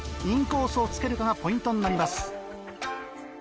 インコースをつけるかがポイントになります。